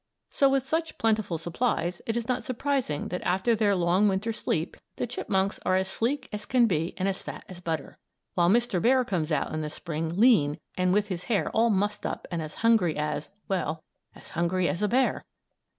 So, with such plentiful supplies, it is not surprising that after their long Winter sleep the chipmunks are as sleek as can be and as fat as butter, while Mr. Bear comes out in the Spring lean and with his hair all mussed up and as hungry as well, as hungry as a bear!